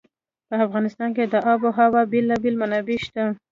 په افغانستان کې د آب وهوا بېلابېلې منابع شته.